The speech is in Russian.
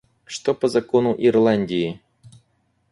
Что по закону Ирландии?